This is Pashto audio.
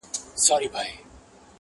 او پر ښار باندي نازل نوی آفت سو-